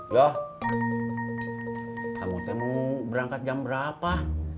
yoh kamu mau berangkat jam berapa